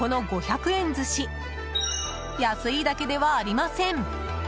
しかもこの５００円寿司安いだけではありません。